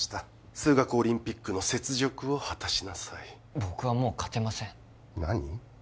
数学オリンピックの雪辱を果たしなさい僕はもう勝てません何？